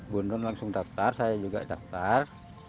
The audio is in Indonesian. bunun langsung daftar saya juga daftar